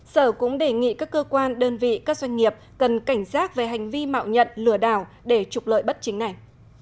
sở cũng đề nghị các cơ quan đơn vị các doanh nghiệp cần cảnh giác về hành vi mạo nhận lừa đảo để trục lợi bất chính này